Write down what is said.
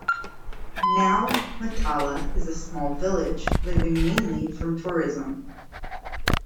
Now Matala is a small village living mainly from tourism.